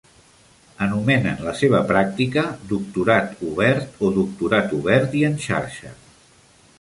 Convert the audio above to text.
Anomenen la seva pràctica Doctorat obert o Doctorat obert i en xarxa.